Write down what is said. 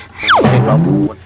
kita coba periksa kesana yuk